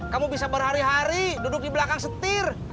kamu bisa berhari hari duduk di belakang setir